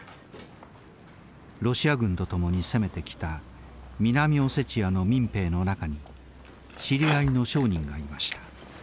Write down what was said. ロシア軍と共に攻めてきた南オセチアの民兵の中に知り合いの商人がいました。